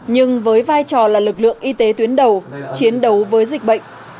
nhưng với vai trò là lực lượng y tế tuyến đầu chiến đấu với dịch bệnh